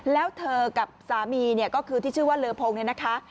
แล้วเธอกับสามีก็คือที่ชื่อว่าเลอพงนะคะ